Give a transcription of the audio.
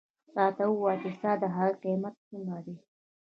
راته ووایه چې ستا د هغې قیمت څومره دی.